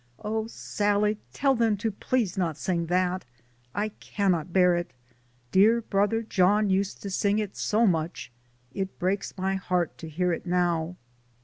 "Oh, Sal lie, tell them to please not sing that, I can not bear it. Dear Brother John used to sing it so much. It breaks my heart to hear it now."